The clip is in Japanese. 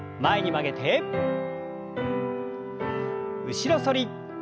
後ろ反り。